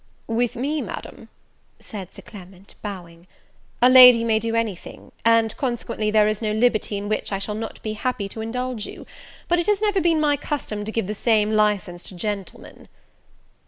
"With me, Madam," said Sir Clement, bowing, "a lady may do any thing, and consequently there is no liberty in which I shall not be happy to indulge you: but it has never been my custom to give the same licence to gentlemen."